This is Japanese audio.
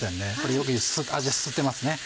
よく味を吸ってますね。